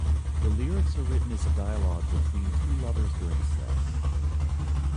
The lyrics are written as a dialogue between two lovers during sex.